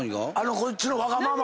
こっちのわがまま。